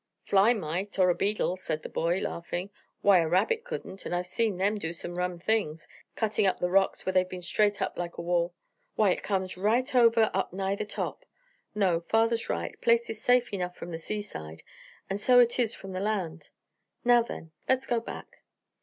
"Fly might, or a beedle," said the boy, laughing. "Why, a rabbit couldn't, and I've seen them do some rum things, cutting up the rocks where they've been straight up like a wall. Why, it comes right over up nigh the top. No, father's right; place is safe enough from the seaside, and so it is from the land. Now, then, let's go back."